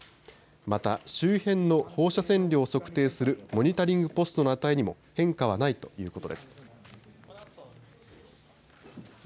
また周辺の放射線量を測定するモニタリングポストの値にも変化はないということです。